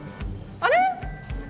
あれ？